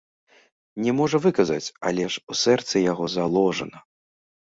Не можа выказаць, але ж у сэрцы яго заложана.